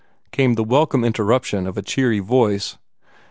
came the welcome interruption of a cheery voice.